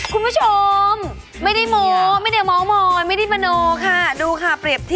คุณผู้ชมไม่เดี๋ยวมองมอลไม่มองไม่มองค่ะ